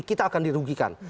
kita akan dirugikan